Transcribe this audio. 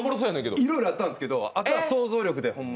いろいろあったんですけどあとは想像力で。